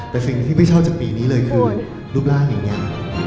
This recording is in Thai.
แต่สิ่งที่ไม่ชอบจากปีนี้เลยคือรูปร่างอย่างนี้